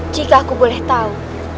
jika aku boleh tahu